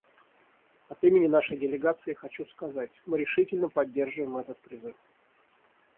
От имени нашей делегации хочу сказать: мы решительно поддерживаем этот призыв.